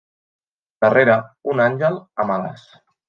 Darrere, un àngel amb ales.